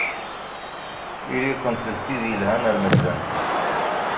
Ili-kent d tid yelhan ar medden.